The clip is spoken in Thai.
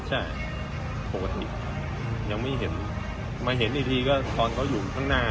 ใช่ปกติยังไม่เห็นมาเห็นอีกทีก็ตอนเขาอยู่ข้างหน้า